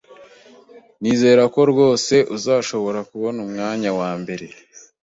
Nizera ko rwose uzashobora kubona umwanya wa mbere.